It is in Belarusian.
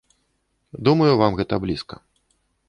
Думаю, вам гэта блізка.